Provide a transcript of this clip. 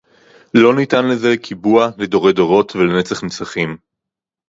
לא ניתן לזה קיבוע לדורי דורות ולנצח נצחים